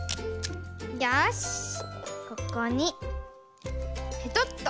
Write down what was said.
よしここにペトっと。